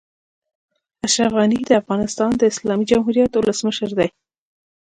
اشرف غني د افغانستان د اسلامي جمهوريت اولسمشر دئ.